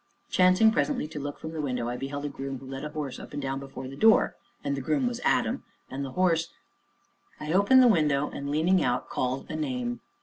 Chancing, presently, to look from the window, I beheld a groom who led a horse up and down before the door; and the groom was Adam, and the horse I opened the window, and, leaning out, called a name.